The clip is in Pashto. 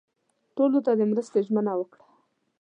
ټولو د مرستې ژمنه ورکړه.